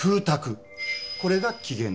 これが起源です。